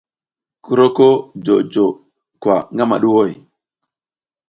Ki roko jojo ko gamaɗuʼhoy?